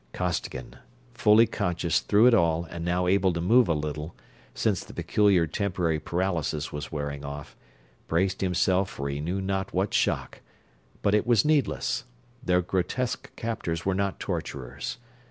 Costigan fully conscious through it all and now able to move a little, since the peculiar temporary paralysis was wearing off braced himself for he knew not what shock, but it was needless; their grotesque captors were not torturers.